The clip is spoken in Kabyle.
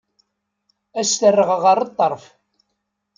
Ad s-t-rreɣ ɣer ṭṭerf.